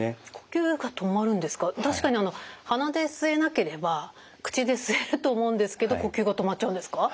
確かに鼻で吸えなければ口で吸えると思うんですけど呼吸が止まっちゃうんですか？